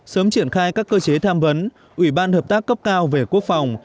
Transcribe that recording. sớm triển khai các cơ chế tham vấn ủy ban hợp tác cấp cao về quốc phòng